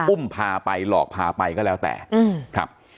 อุ้มพาไปหลอกพาไปก็แล้วแต่ครับ